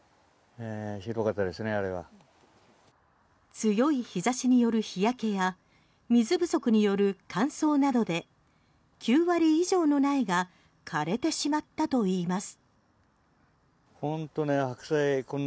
強い日差しによる日焼けや水不足による乾燥などで９割以上の苗が枯れてしまったといいます。